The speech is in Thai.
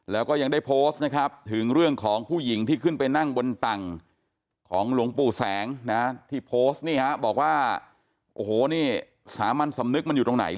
แล้วก็ยังได้โพสต์นะครับถึงเรื่องของผู้หญิงที่ขึ้นไปนั่งบนตังของหลวงปู่แสงนะที่โพสต์นี่ฮะบอกว่าโอ้โหนี่สามัญสำนึกมันอยู่ตรงไหน